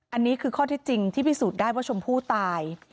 อันนี้คือข้อที่จริงที่พิสูจน์ได้ว่าชมพู่ตาย